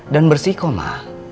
dan bersiko ma